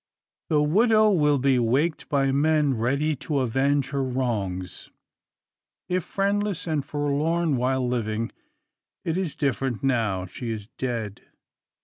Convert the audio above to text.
The widow will be waked by men ready to avenge her wrongs. If friendless and forlorn while living, it is different now she is dead.